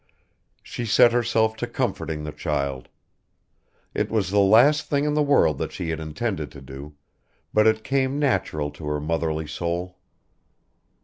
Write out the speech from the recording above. She set herself to comforting the child. It was the last thing in the world she had intended to do, but it came natural to her motherly soul.